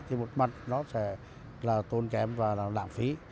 thì một mặt nó sẽ là tôn kém và là lãng phí